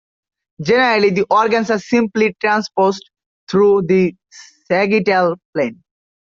Generally, the organs are simply transposed through the sagittal plane.